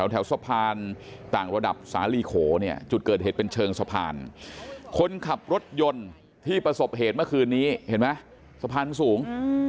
แถวสะพานต่างระดับสาลีโขเนี่ยจุดเกิดเหตุเป็นเชิงสะพานคนขับรถยนต์ที่ประสบเหตุเมื่อคืนนี้เห็นไหมสะพานสูง